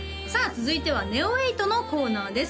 続いてはＮＥＯ８のコーナーです